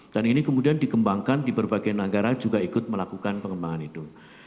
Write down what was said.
dan ini kemudian dikembangkan di berbagai negara juga ikut melakukan pengembangan itu